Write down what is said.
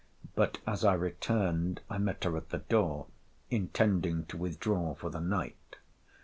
But as I returned I met her at the door, intending to withdraw for the night.